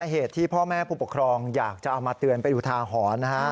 เหตุที่พ่อแม่ผู้ปกครองอยากจะเอามาเตือนเป็นอุทาหรณ์นะฮะ